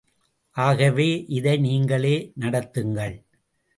ஆகவே இதை நீங்களே நடத்துங்கள்.